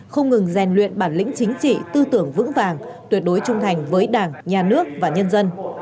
không ngừng rèn luyện bản lĩnh chính trị tư tưởng vững vàng tuyệt đối trung thành với đảng nhà nước và nhân dân